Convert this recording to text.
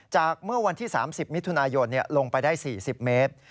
เมื่อวันที่๓๐มิถุนายนลงไปได้๔๐เมตร